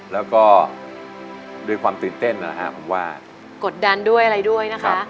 แล้วก็ด้วยความตื่นเต้นนะฮะผมว่ากดดันด้วยอะไรด้วยนะคะ